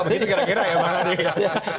begitu kira kira ya bang karding